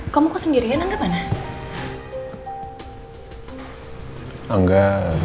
kamu kesendirian anggep mana